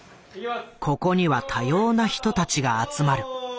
ここには多様な人たちが集まる。